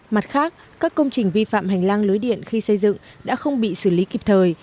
mặt khác các công trình vi phạm hành lang lưới điện khi xây dựng đã không bị xử lý kịp thời